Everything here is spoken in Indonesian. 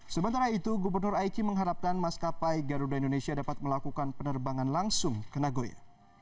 sementara itu gubernur aiki mengharapkan maskapai garuda indonesia dapat melakukan penerbangan langsung ke nagoya